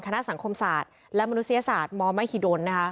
คณะสังคมศาสตร์และมนุษยศาสตร์มมหิดล